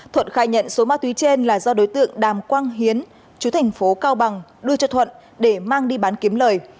thuận khai nhận số ma túy trên là do đối tượng đàm quang hiến chú thành phố cao bằng đưa cho thuận để mang đi bán kiếm lời